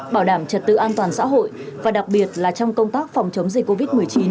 bảo đảm trật tự an toàn xã hội và đặc biệt là trong công tác phòng chống dịch covid một mươi chín